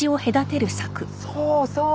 そうそう！